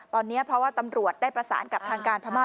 ตอนนี้เพราะว่าตำรวจได้ประสานกับทางการพม่า